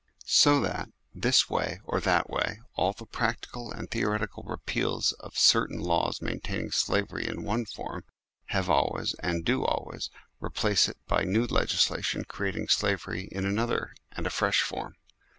So that, this way or that way, all the practical and theoretical repeals of certain laws maintain ing slavery in one form, have always, and do always, replace it by new legislation creating slavery in another and a fresh form.